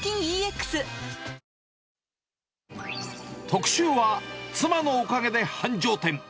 特集は、妻のおかげで繁盛店。